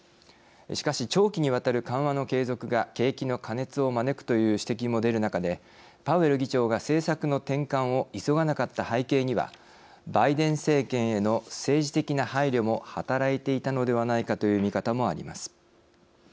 しかし、長期にわたる緩和の継続が景気の過熱を招くという指摘も出る中でパウエル議長が政策の転換を急がなかった背景にはバイデン政権への政治的な配慮も働いていたのではないかという見方もあります。